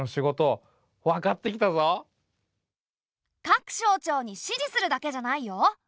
各省庁に指示するだけじゃないよ。